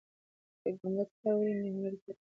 د ګمبد کار ولې نیمګړی پاتې سو؟